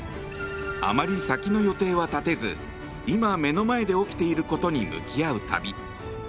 あまり先の予定は立てず今、目の前で起きていることに向き合う旅。